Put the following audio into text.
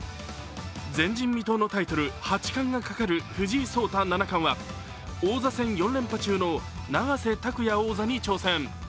前人未到のタイトル・八冠がかかる藤井聡太七冠は王座戦４連覇中の永瀬拓矢王座に挑戦。